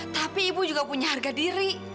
tapi ibu juga punya harga diri